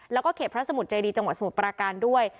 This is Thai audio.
แล้วก็เขตพระสมุทรเจดีจังหวัดสมุทรปราการด้วย